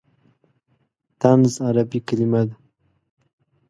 طنز عربي کلمه ده.